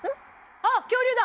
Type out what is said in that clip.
あっ恐竜だ！